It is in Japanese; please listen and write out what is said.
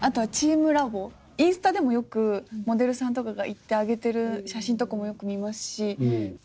インスタでもよくモデルさんとかが行って上げてる写真とかもよく見ますし。